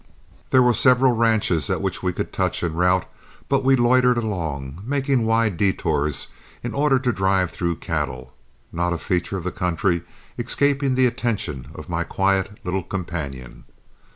There were several ranches at which we could touch, en route, but we loitered along, making wide detours in order to drive through cattle, not a feature of the country escaping the attention of my quiet little companion.